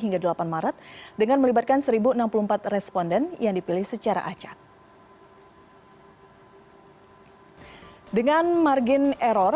hingga delapan maret dengan melibatkan seribu enam puluh empat responden yang dipilih secara acak dengan margin error